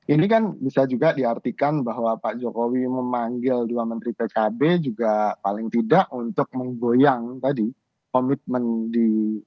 ini kan bisa juga diartikan bahwa pak jokowi memanggil dua menteri pkb juga paling tidak untuk menggoyang tadi komitmen di